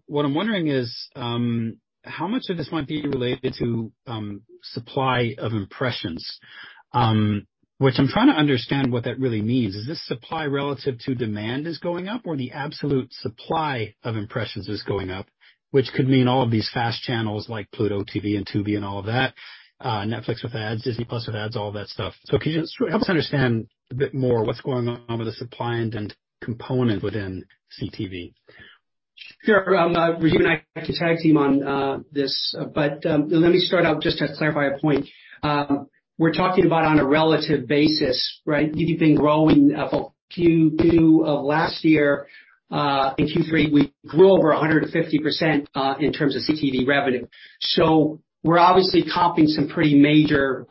What I'm wondering is, how much of this might be related to supply of impressions? Which I'm trying to understand what that really means. Is this supply relative to demand is going up, or the absolute supply of impressions is going up, which could mean all of these fast channels, like Pluto TV and Tubi and all of that, Netflix with ads, Disney+ with ads, all that stuff. Can you just help us understand a bit more what's going on with the supply and demand component within CTV? Sure. Rajiv and I can tag team on this, but let me start out just to clarify a point. we're talking about on a relative basis, right? We've been growing Q2 of last year. In Q3, we grew over 150% in terms of CTV revenue. We're obviously topping some pretty major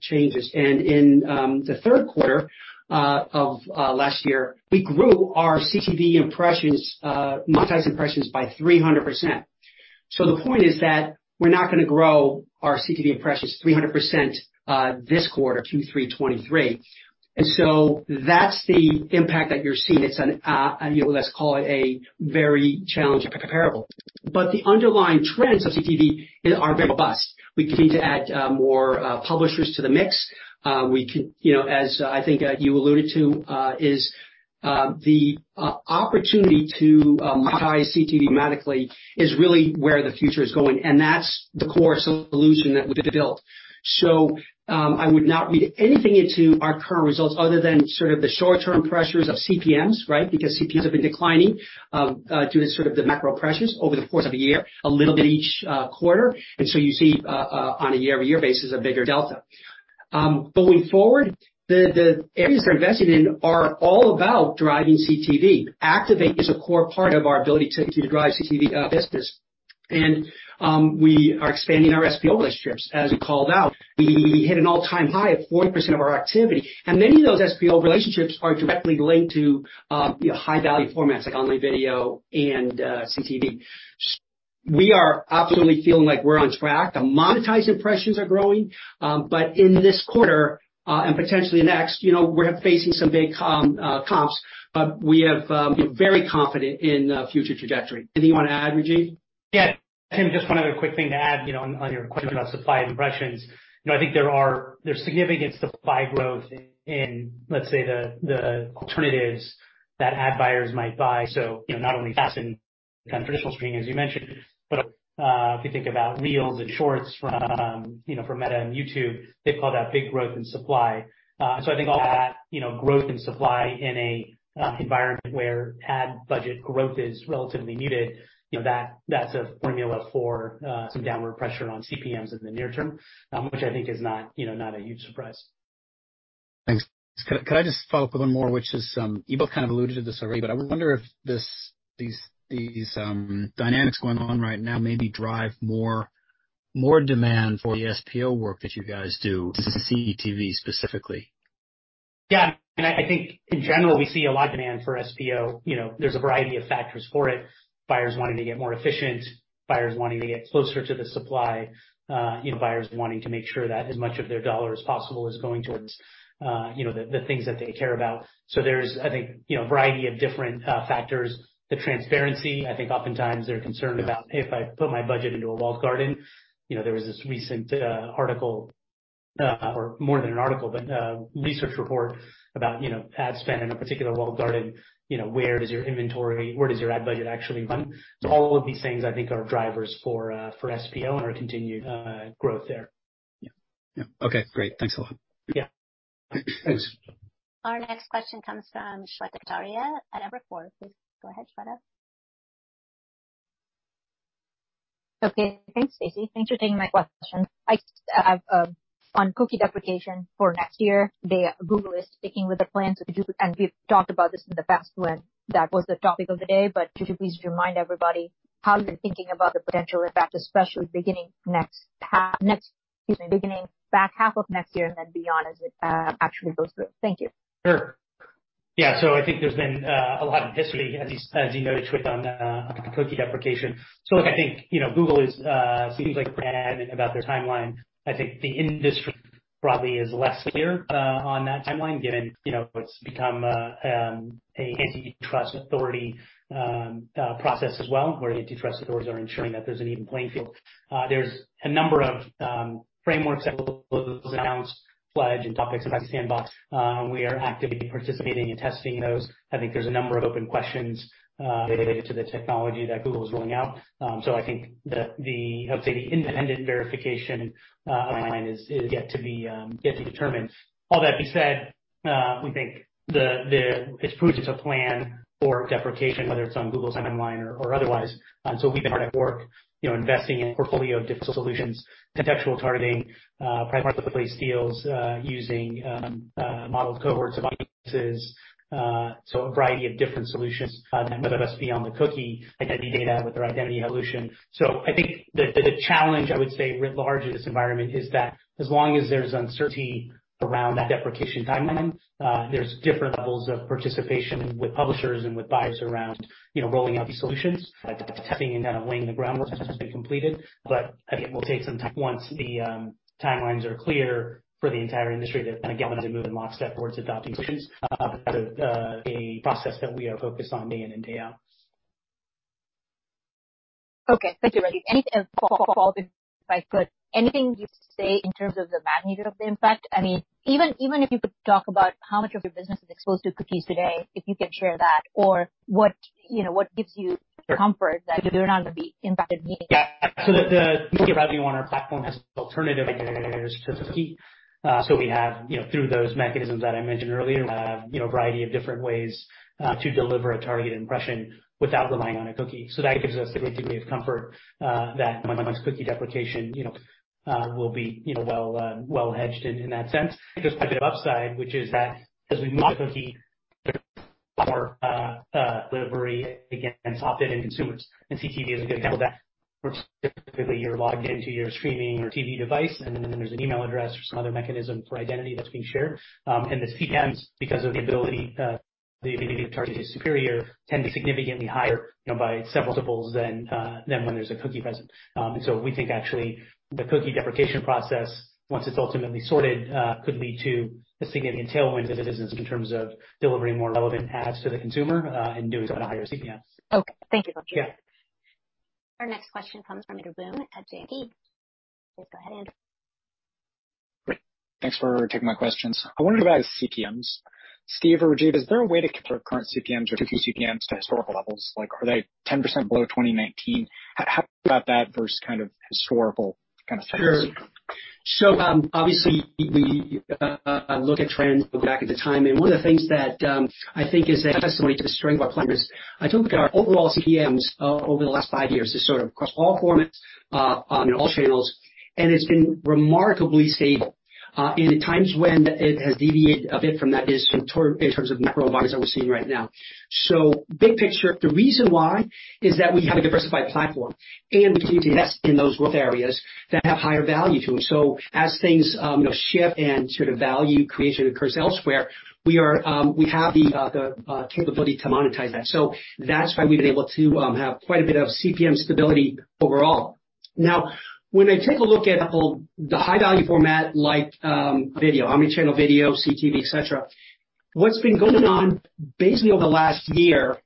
changes. In the third quarter of last year, we grew our CTV impressions, monetized impressions by 300%. The point is that we're not going to grow our CTV impressions 300% this quarter, Q3 2023. That's the impact that you're seeing. It's an, let's call it a very challenging comparable. The underlying trends of CTV are very robust. We continue to add more publishers to the mix. We can. You know, as I think, you alluded to, is the opportunity to monetize CTV dramatically is really where the future is going, and that's the core solution that we've built. I would not read anything into our current results other than sort of the short-term pressures of CPMs, right? Because CPMs have been declining, due to sort of the macro pressures over the course of a year, a little bit each quarter. You see, on a year-over-year basis, a bigger delta. Going forward, the areas we're invested in are all about driving CTV. Activate is a core part of our ability to drive CTV business. We are expanding our SPO relationships. As we called out, we hit an all-time high of 40% of our activity. Many of those SPO relationships are directly linked to, you know, high-value formats like online video and CTV. We are absolutely feeling like we're on track. The monetized impressions are growing. In this quarter, and potentially next, you know, we're facing some big comps, but we have, we're very confident in the future trajectory. Anything you want to add, Rajiv? Yeah. Tim, just one other quick thing to add, you know, on your question about supply impressions. You know, I think there's significant supply growth in, let's say, the, the alternatives that ad buyers might buy. You know, not only FAST and kind of traditional streaming, as you mentioned. If you think about reels and shorts from, you know, from Meta and YouTube, they call that big growth in supply. I think all that, you know, growth in supply in a environment where ad budget growth is relatively muted, you know, that's a formula for some downward pressure on CPMs in the near term, which I think is not, you know, not a huge surprise. Thanks. Could, could I just follow up a little more, which is, you both kind of alluded to this already, but I wonder if these, these, dynamics going on right now maybe drive more, more demand for the SPO work that you guys do, CTV specifically? Yeah, I think in general, we see a lot of demand for SPO. You know, there's a variety of factors for it. Buyers wanting to get more efficient, buyers wanting to get closer to the supply, you know, buyers wanting to make sure that as much of their dollar as possible is going towards, you know, the, the things that they care about. There's, I think, you know, a variety of different factors. The transparency, I think oftentimes they're concerned about if I put my budget into a walled garden. You know, there was this recent article, or more than an article, but research report about, you know, ad spend in a particular walled garden. You know, where does your inventory, where does your ad budget actually run? All of these things, I think, are drivers for, for SPO and our continued, growth there. Yeah. Yeah. Okay, great. Thanks a lot. Yeah. Thanks. Our next question comes from Shweta Khajuria at Evercore. Please go ahead, Shweta. Okay, thanks, Stacie. Thanks for taking my question. I, on cookie deprecation for next year, the Google is sticking with the plan. Could you-- and we've talked about this in the past when that was the topic of the day, but could you please remind everybody how you're thinking about the potential impact, especially beginning next half, next. Excuse me, beginning back half of next year and then beyond, as it actually goes through? Thank you. Sure. Yeah, I think there's been a lot of history, as you, as you noted, Shweta, on cookie deprecation. Look, I think, you know, Google is seems like pretty adamant about their timeline. I think the industry probably is less clear on that timeline, given, you know, it's become a antitrust authority process as well, where the antitrust authorities are ensuring that there's an even playing field. There's a number of frameworks that Google has announced, pledge, and topics about Sandbox. We are actively participating and testing those. I think there's a number of open questions related to the technology that Google is rolling out. I think the, the, I would say, the independent verification online is, is yet to be yet to be determined. All that being said, we think it's prudent to plan for deprecation, whether it's on Google's timeline or, or otherwise. We've been hard at work, you know, investing in a portfolio of different solutions, contextual targeting, private marketplace deals, using modeled cohorts of audiences. A variety of different solutions, whether that's beyond the cookie identity data with our identity evolution. I think the, the challenge, I would say, writ large in this environment, is that as long as there's uncertainty around that deprecation timeline, there's different levels of participation with publishers and with buyers around, you know, rolling out these solutions, testing and kind of laying the groundwork has been completed. I think it will take some time, once the timelines are clear for the entire industry to kind of get on and move in lockstep towards adoption. A process that we are focused on day in and day out. Okay, thank you, Rajeev. Anything to follow by, but anything you say in terms of the magnitude of the impact? I mean, even, even if you could talk about how much of your business is exposed to cookies today, if you can share that, or what, you know, what gives you comfort that you're not going to be impacted meaningfully? Yeah. The revenue on our platform has alternative to the cookie. We have, you know, through those mechanisms that I mentioned earlier, you know, a variety of different ways to deliver a targeted impression without relying on a cookie. That gives us a degree of comfort that once cookie deprecation, you know, will be, you know, well, well hedged in that sense. There's quite a bit of upside, which is that as we move the cookie, more, delivery against opt-in consumers. CTV is a good example of that, where specifically you're logged into your streaming or TV device, and then there's an email address or some other mechanism for identity that's being shared. The CPMs, because of the ability, the ability to target is superior, tend to be significantly higher, you know, by several multiples than, than when there's a cookie present. So we think actually the cookie deprecation process, once it's ultimately sorted, could lead to a significant tailwind to the business in terms of delivering more relevant ads to the consumer, and doing so at a higher CPM. Okay, thank you. Yeah. Our next question comes from Andrew Boone at JP. Please go ahead, Andrew. Great. Thanks for taking my questions. I wanted to go back to CPMs. Steve or Rajiv, is there a way to compare current CPMs or CPMs to historical levels? Like, are they 10% below 2019? How about that versus kind of historical kind of trends? Sure. Obviously, we look at trends back at the time, and one of the things that I think is a testimony to the strength of our partners, I think our overall CPMs over the last five years is sort of across all formats and all channels, and it's been remarkably stable. The times when it has deviated a bit from that is in terms of macro environments that we're seeing right now. Big picture, the reason why is that we have a diversified platform and we continue to invest in those growth areas that have higher value to them. As things, you know, shift and sort of value creation occurs elsewhere, we are, we have the capability to monetize that. That's why we've been able to have quite a bit of CPM stability overall. Now, when I take a look at the high value format like video, omni-channel video, CTV, et cetera. What's been going on basically over the last year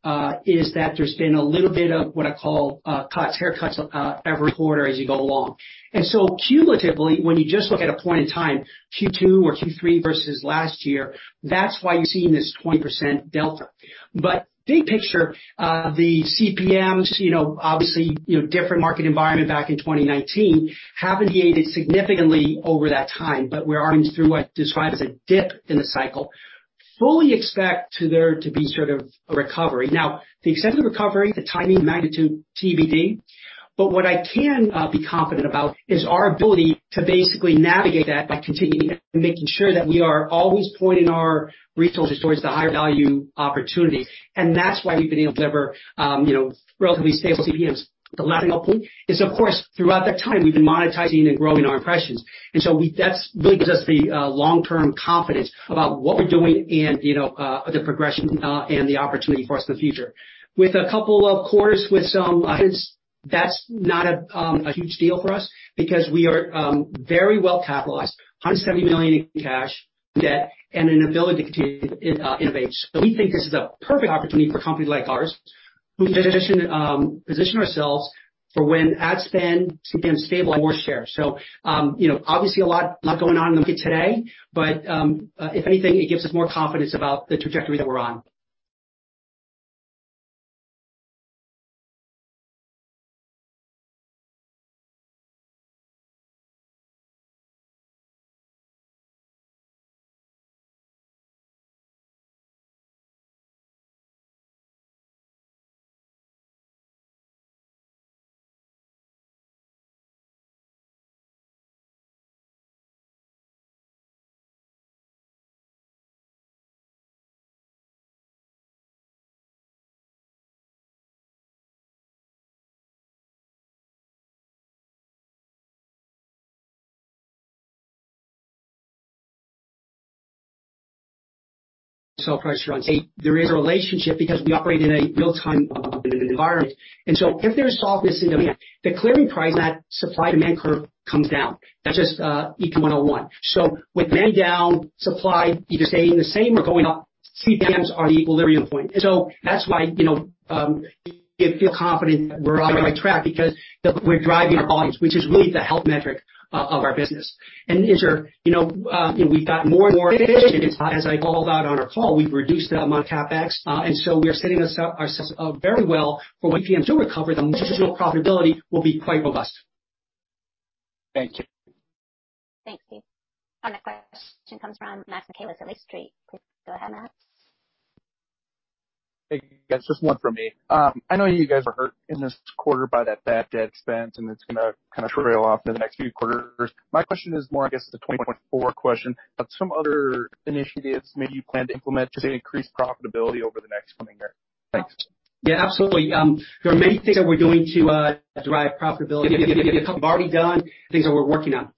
is that there's been a little bit of what I call cost haircuts every quarter as you go along. Cumulatively, when you just look at a point in time, Q2 or Q3 versus last year, that's why you're seeing this 20% delta. Big picture, the CPMs, you know, obviously, you know, different market environment back in 2019, haven't dated significantly over that time, but we're going through what describes a dip in the cycle. Fully expect to there to be sort of a recovery. Now, the extent of the recovery, the timing, magnitude, TBD. What I can be confident about is our ability to basically navigate that by continuing and making sure that we are always pointing our resources towards the higher value opportunity. That's why we've been able to deliver, you know, relatively stable CPMs. The latter point is, of course, throughout that time, we've been monetizing and growing our impressions, that's really gives us the long-term confidence about what we're doing and, you know, the progression and the opportunity for us in the future. With a couple of quarters with some highs, that's not a huge deal for us because we are very well capitalized. $170 million in cash, debt, and an ability to continue to innovate. We think this is a perfect opportunity for a company like ours, who position, position ourselves for when ad spend becomes stable and more share. You know, obviously a lot, a lot going on in the market today, but, if anything, it gives us more confidence about the trajectory that we're on. Price run, there is a relationship because we operate in a real-time environment, and so if there's softness in demand, the clearing price at supply and demand curve comes down. That's just Econ 101. With demand down, supply either staying the same or going up, CPMs are the equilibrium point. That's why, you know, we feel confident that we're on the right track because we're driving our volumes, which is really the health metric o-of our business. In turn, you know, we've got more and more efficient, as I called out on our call, we've reduced the amount of CapEx, and so we are setting ourself, ourselves up very well for when CPMs do recover, the marginal profitability will be quite robust. Thank you. Thank you. Our next question comes from Matt McKay with Riley Street. Please go ahead, Matt. Hey, guys, just one from me. I know you guys are hurt in this quarter by that bad debt expense, and it's going to kind of trail off for the next few quarters. My question is more, I guess, the 2024 question, but some other initiatives maybe you plan to implement to increase profitability over the next coming year? Thanks. Yeah, absolutely. There are many things that we're doing to drive profitability. We've already done things that we're working on.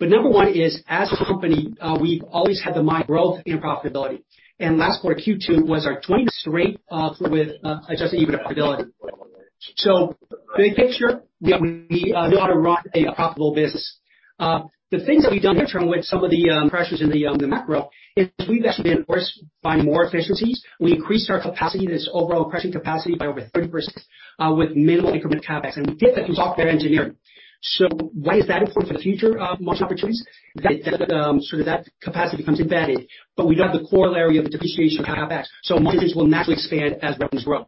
Number one is, as a company, we've always had the mind growth and profitability, and last quarter, Q2, was our 20th straight with Adjusted EBITDA profitability. Big picture, we know how to run a profitable business. The things that we've done here with some of the pressures in the macro, is we've actually been forced to find more efficiencies. We increased our capacity, this overall capacity, by over 30%, with minimal incremental CapEx, and we did that through software engineering. Why is that important for the future of margin opportunities? Sort of that capacity becomes embedded, but we don't have the corollary of the depreciation of CapEx, so margins will naturally expand as revenues grow.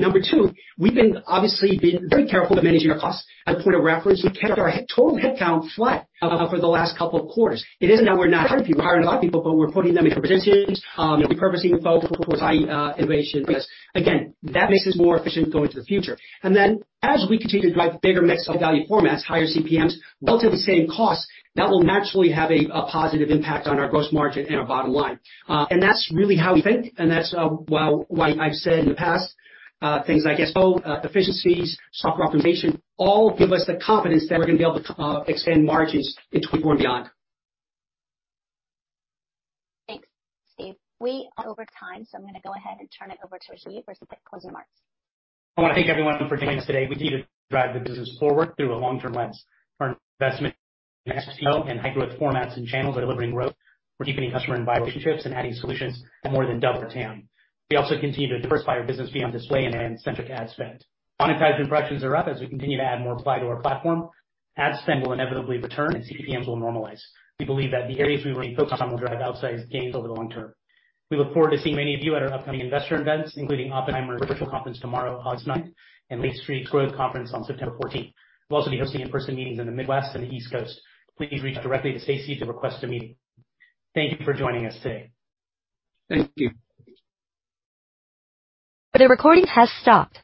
Number two, we've been obviously been very careful to manage our costs. As a point of reference, we kept our total headcount flat for the last couple of quarters. It isn't that we're not hiring people, we're hiring a lot of people, but we're putting them in positions and repurposing folks towards innovation. Again, that makes us more efficient going to the future. As we continue to drive bigger mix of value formats, higher CPMs, relatively the same costs, that will naturally have a positive impact on our gross margin and our bottom line. That's really how we think, and that's, why, why I've said in the past, things like, SO, efficiencies, software optimization, all give us the confidence that we're going to be able to, extend margins in 2024 and beyond. Thanks, Steve. We are over time, so I'm going to go ahead and turn it over to Steve for some closing remarks. I want to thank everyone for joining us today. We continue to drive the business forward through a long-term lens. Our investment in XP and high-growth formats and channels are delivering growth. We're deepening customer and relationships and adding solutions that more than double the TAM. We also continue to diversify our business beyond display and centric ad spend. Monetized impressions are up as we continue to add more supply to our platform. Ad spend will inevitably return and CPMs will normalize. We believe that the areas we remain focused on will drive outsized gains over the long term. We look forward to seeing many of you at our upcoming investor events, including Oppenheimer's Virtual Conference tomorrow, August ninth, and Lake Street Growth Conference on September fourteenth. We'll also be hosting in-person meetings in the Midwest and the East Coast. Please reach out directly to Stacie to request a meeting. Thank you for joining us today. Thank you. The recording has stopped.